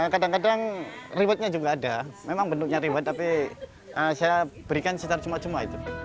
kadang kadang rewardnya juga ada memang bentuknya reward tapi saya berikan secara cuma cuma itu